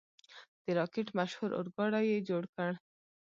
د راکټ مشهور اورګاډی یې جوړ کړ.